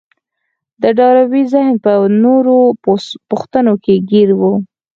د ډاربي ذهن په دې او نورو پوښتنو کې ګير و.